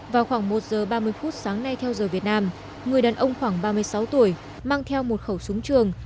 vào khoảng một giờ ba mươi phút sáng nay theo giờ việt nam người đàn ông khoảng ba mươi sáu tuổi mang theo một khẩu súng trường